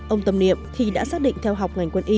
ông tâm niệm khi đã xác định theo học ngành quân y